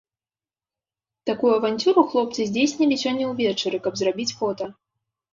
Такую аванцюру хлопцы здзейснілі сёння ўвечары, каб зрабіць фота.